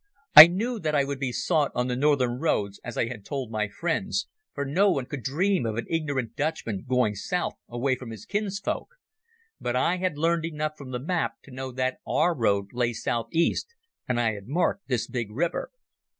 I knew that I would be sought on the northern roads, as I had told my friends, for no one could dream of an ignorant Dutchman going south away from his kinsfolk. But I had learned enough from the map to know that our road lay south east, and I had marked this big river."